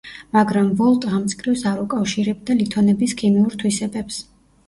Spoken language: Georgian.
მაგრამ ვოლტა ამ მწკრივს არ უკავშირებდა ლითონების ქიმიურ თვისებებს.